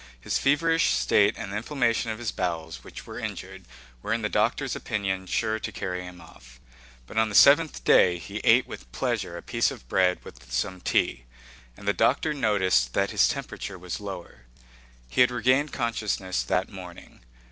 His feverish state and the inflammation of his bowels, which were injured, were in the doctor's opinion sure to carry him off. But on the seventh day he ate with pleasure a piece of bread with some tea, and the doctor noticed that his temperature was lower. He had regained consciousness that morning.